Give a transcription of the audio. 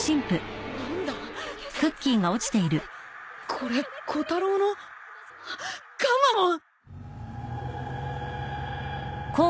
これコタロウの。あっガンマモン！